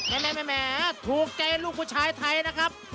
แม่ถูกใจลูกผู้ชายไทยนะครับ